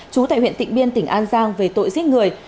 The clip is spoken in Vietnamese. chú tại huyện tịnh biên tỉnh an giang về tội giết người